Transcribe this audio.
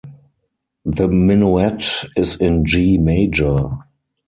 The minuet is in G major.